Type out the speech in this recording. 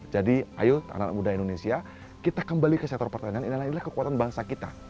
jadi ayo anak muda indonesia kita kembali ke sektor pertanian inilah inilah kekuatan bangsa kita